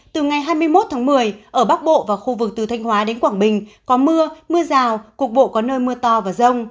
từ ngày hai mươi một tháng một mươi ở bắc bộ và khu vực từ thanh hóa đến quảng bình có mưa mưa rào cục bộ có nơi mưa to và rông